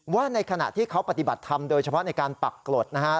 ว่าในขณะที่เขาปฏิบัติธรรมโดยเฉพาะในการปักกรดนะฮะ